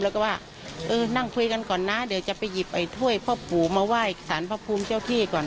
แล้วก็ว่าเออนั่งคุยกันก่อนนะเดี๋ยวจะไปหยิบไอ้ถ้วยพ่อปู่มาไหว้สารพระภูมิเจ้าที่ก่อน